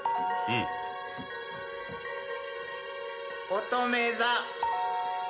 おとめ座。